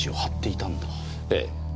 ええ。